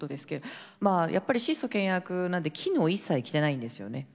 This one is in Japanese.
まあやっぱり質素倹約なんで絹を一切着てないんですよね。